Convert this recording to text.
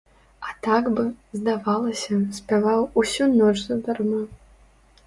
А так бы, здавалася, спяваў усю ноч задарма.